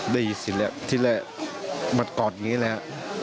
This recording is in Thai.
ได้ยินแล้วที่แรกมากอดอย่างนี้แล้ว